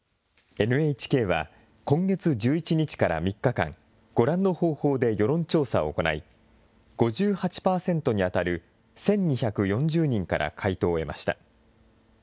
ＮＨＫは、今月１１日から３日間、ご覧の方法で世論調査を行い、５８％に当たる、１２４０人から回答を得ました。